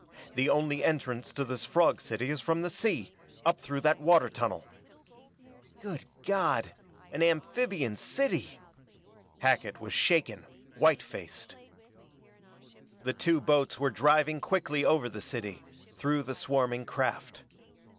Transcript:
"The only entrance to this frog city is from the sea, up through that water tunnel!" "Good God, an amphibian city!" Hackett was shaken, white faced. The two boats were driving quickly over the city, through the swarming craft.